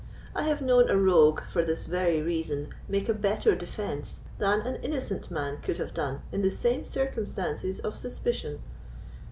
I have known a rogue, for this very reason, make a better defence than an innocent man could have done in the same circumstances of suspicion.